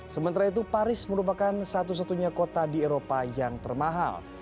sementara itu paris merupakan satu satunya kota di eropa yang termahal